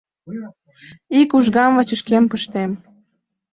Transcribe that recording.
Ик ужгам вачышкем пыштем.